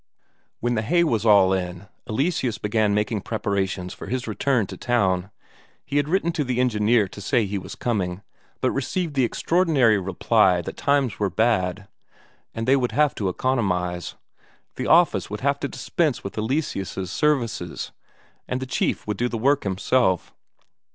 When the hay was all in, Eleseus began making preparations for his return to town. He had written to the engineer to say he was coming, but received the extraordinary reply that times were bad, and they would have to economize; the office would have to dispense with Eleseus' services, and the chief would do the work himself.